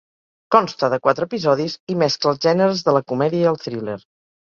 Consta de quatre episodis i mescla els gèneres de la comèdia i el thriller.